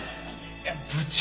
いや部長